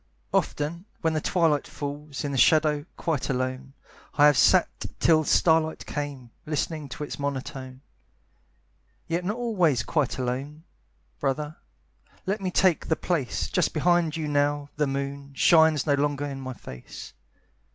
Often, when the twilight falls, In the shadow, quite alone, I have sat till starlight came, Listening to its monotone. Yet not always quite alone, Brother, let me take the place Just behind you now the moon Shines no longer in my face.